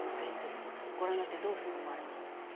ご覧になってどういう風に思われました？